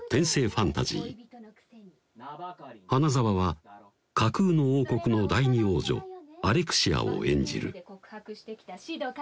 ファンタジー花澤は架空の王国の第二王女アレクシアを演じる